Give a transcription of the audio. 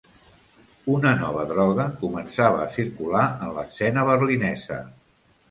Una nova droga començava a circular en l'escena berlinesa.